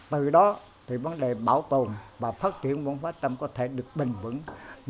từ đó thì vấn đề bảo tồn và phát triển vùng phát tâm có thể được bình vững